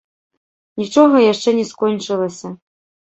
Нічога яшчэ не скончылася.